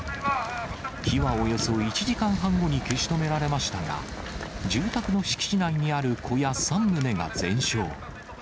火はおよそ１時間半後に消し止められましたが、住宅の敷地内にある小屋３棟が全焼。